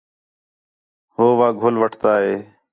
ہو وا گُھل وٹھتا ہِے